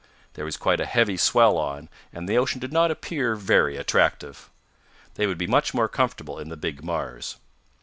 There was quite a heavy swell on, and the ocean did not appear very attractive. They would be much more comfortable in the big Mars.